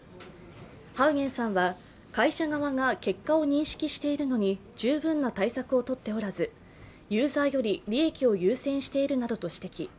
ハウゲンさんは会社側が結果を認識しているのに十分な対策をとっておらずユーザーより利益を優先しているなどと指摘。